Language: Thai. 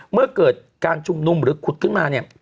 เมื่อเกิดการชุมนุมหรือขุดขึ้นมาเนี่ย